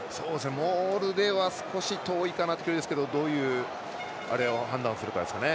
モールでは少し遠いかなという距離ですけどどういう判断するかですよね。